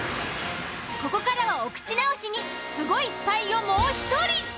ここからはお口直しにスゴいスパイをもう１人。